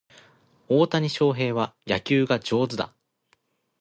大谷翔平は野球が上手だ